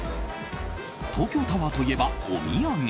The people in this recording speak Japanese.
東京タワーといえば、お土産！